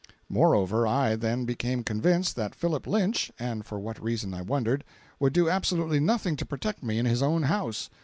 Moreover, I then became convinced, that Philip Lynch (and for what reason I wondered) would do absolutely nothing to protect me in his own house.